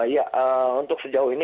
ya untuk sejauh ini